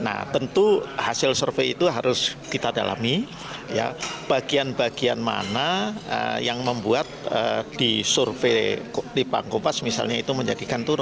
nah tentu hasil survei itu harus kita dalami bagian bagian mana yang membuat di survei litbang kompas misalnya itu menjadikan turun